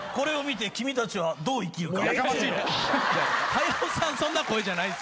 駿さんそんな声じゃない。